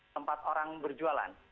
tempat orang berjualan